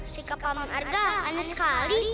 sikap paman argah aneh sekali